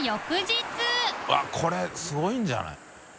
錣これすごいんじゃない？